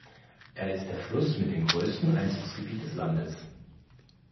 Er ist der Fluss mit dem größten Einzugsgebiet des Landes.